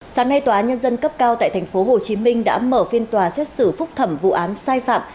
sáng nay tòa nhân dân cấp cao tại tp hcm đã mở phiên tòa xét xử phúc thẩm vụ án sai phạm